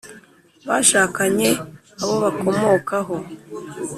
bashakanye abo bakomokaho